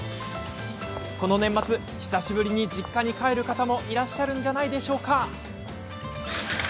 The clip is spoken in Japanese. この年末久しぶりに実家に帰る方もいらっしゃるんじゃないでしょうか。